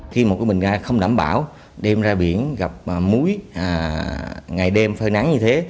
khi một bình ga không đảm bảo đem ra biển gặp muối ngày đêm phơi nắng như thế